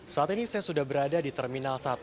saat ini saya sudah berada di terminal satu